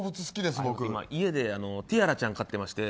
家でティアラちゃん飼ってまして。